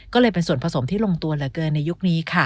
ก็เลยเป็นส่วนผสมที่ลงตัวเหลือเกินในยุคนี้ค่ะ